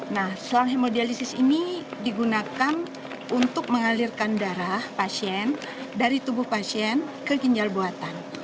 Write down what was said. nah selang hemodialisis ini digunakan untuk mengalirkan darah pasien dari tubuh pasien ke ginjal buatan